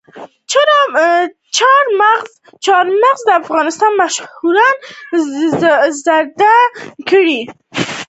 چار مغز د افغان ماشومانو د زده کړې موضوع ده.